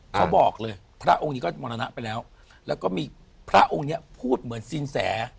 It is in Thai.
เขาบอกเลยพระองค์นี้ก็มรณะไปแล้วแล้วก็มีพระองค์เนี้ยพูดเหมือนสินแส